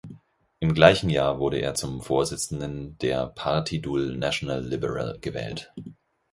Im gleichen Jahr wurde er zum Vorsitzenden der Partidul Național Liberal gewählt.